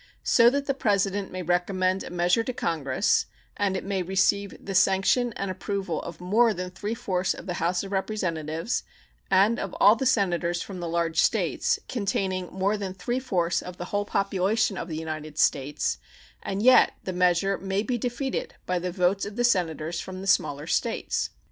So that the President may recommend a measure to Congress, and it may receive the sanction and approval of more than three fourths of the House of Representatives and of all the Senators from the large States, containing more than three fourths of the whole population of the United States, and yet the measure may be defeated by the votes of the Senators from the smaller States.